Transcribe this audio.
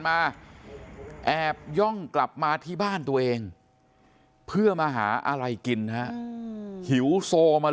มาแอบย่องกลับมาที่บ้านตัวเองเพื่อมาหาอะไรกินฮะหิวโซมา